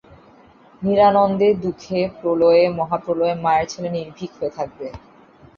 নিরানন্দে, দুঃখে, প্রলয়ে, মহাপ্রলয়ে মায়ের ছেলে নির্ভীক হয়ে থাকবে।